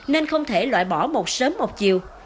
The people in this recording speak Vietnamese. nên không thể loại bỏ một sớm một chiều